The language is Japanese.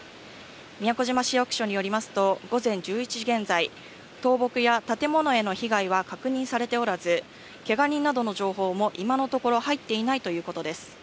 宮古島市役所によりますと、午前１１時現在、倒木や建物への被害は確認されておらず、けが人などの情報も今のところ入っていないということです。